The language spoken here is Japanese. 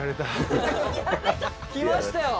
「きましたよ」